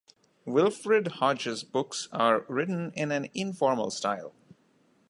Wilfrid Hodges' books are written in an informal style.